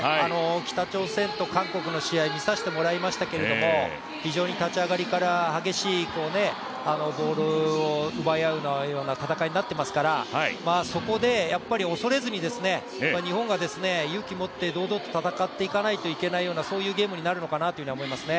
北朝鮮と韓国の試合、見させてもらいましたけれども、非常に立ち上がりから激しいボールを奪い合うような試合になっていますからそこで恐れずに、日本が勇気を持って堂々と戦っていかないといけないようなそういうゲームになるのかなと思いますね。